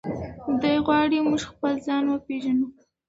دی غواړي چې موږ خپل ځان وپیژنو.